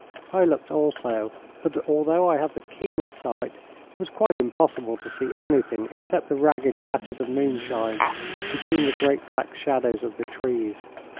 I looked also, but although I have the keenest sight, it was quite impossible to see anything except the ragged patches of moonshine between the great black shadows of the trees.